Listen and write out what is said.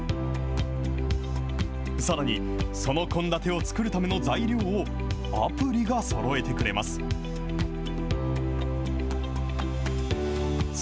さらに、その献立を作るための材料を、アプリがそろえてくれます。